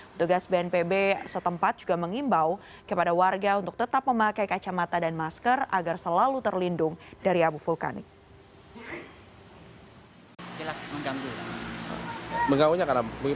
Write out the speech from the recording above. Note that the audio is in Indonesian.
petugas bnpb setempat juga mengimbau kepada warga untuk tetap memakai kacamata dan masker agar selalu terlindung dari abu vulkanik